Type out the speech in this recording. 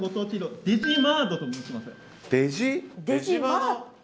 デジマート？